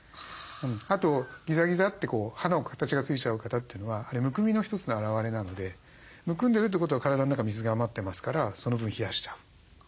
あとギザギザって歯の形がついちゃう方というのはあれむくみの一つの表れなのでむくんでるってことは体の中水が余ってますからその分冷やしちゃう。